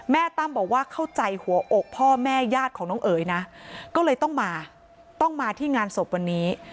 ตั้มบอกว่าเข้าใจหัวอกพ่อแม่ญาติของน้องเอ๋ยนะก็เลยต้องมาต้องมาที่งานศพวันนี้